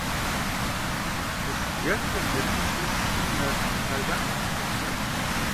Къурш бжэнхэр метр щищ-щийм нэс лъагапӀэхэм щопсэу.